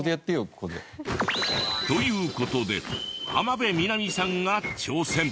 ここで。という事で浜辺美波さんが挑戦。